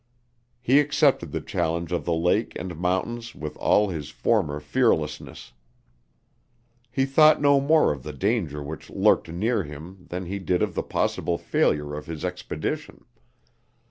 He accepted the challenge of the lake and mountains with all his former fearlessness. He thought no more of the danger which lurked near him than he did of the possible failure of his expedition.